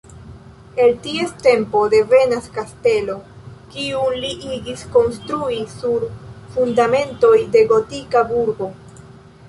El ties tempo devenas kastelo, kiun li igis konstrui sur fundamentoj de gotika burgo.